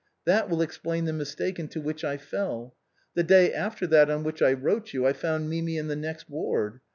That will explain the mistake into which I fell. The day after that on which I wrote you, I found Mimi in the next ward.